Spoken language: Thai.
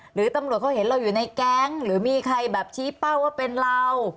หรือตำรวจเขาเห็นเราอยู่ในแก๊งหรือมีใครแบบชี้เป้าว่าเป็นเรา